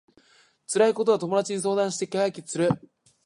辛いことは友達に相談して解決する